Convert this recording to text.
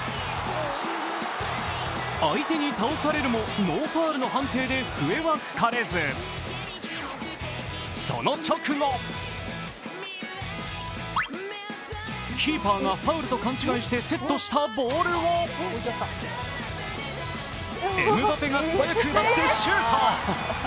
相手に倒されるもノーファウルの判定で笛は吹かれずその直後、キーパーがファウルと勘違いしてセットしたボールをエムバペが素早く奪ってシュート。